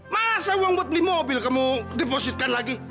masa uang buat beli mobil kamu demositkan lagi